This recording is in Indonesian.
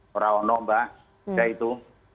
wara ono mbak tidak itu